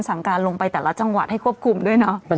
สั่งการลงไปแต่ละจังหวัดให้ควบคุมด้วยเนาะ